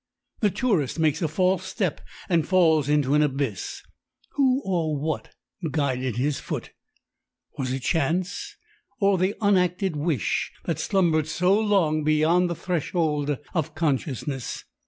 The tourist makes a false step and falls into an abyss. Who or what guided his foot? Was it chance or the unacted wish that slumbered so long beyond the threshold of consciousness?